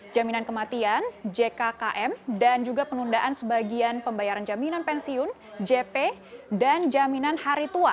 jaminan kematian jkkm dan juga penundaan sebagian pembayaran jaminan pensiun jp dan jaminan hari tua